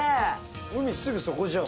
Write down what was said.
海すぐそこじゃん。